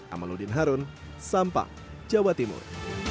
amaludin harun sampang jawa timur